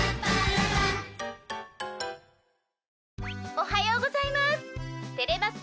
おはようございますてれます